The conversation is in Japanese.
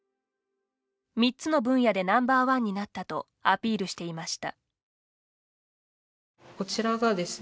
３つの分野でＮｏ．１になったとアピールしていました。